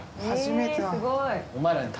初めてだ。